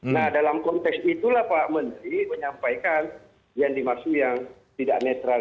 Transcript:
nah dalam konteks itulah pak menteri menyampaikan yang dimaksud yang tidak netral